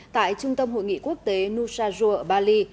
tại trung tâm hội nghị quốc tế nusajur bali